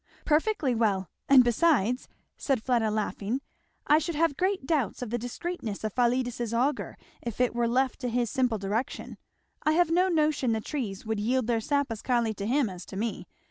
"Perfectly well. And besides," said Fleda laughing, "I should have great doubts of the discreetness of Philetus's auger if it were left to his simple direction. I have no notion the trees would yield their sap as kindly to him as to me.